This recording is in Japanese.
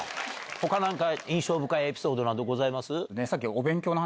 他印象深いエピソードなどございます？